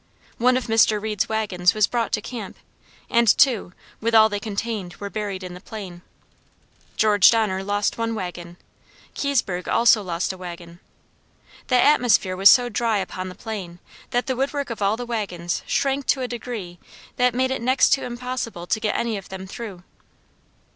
One of Mr. Reed's wagons was brought to camp; and two, with all they contained, were buried in the plain. George Donner lost one wagon. Kiesburg also lost a wagon. The atmosphere was so dry upon the plain, that the wood work of all the wagons shrank to a degree that made it next to impossible to get any of them through.